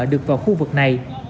được vào khu vực này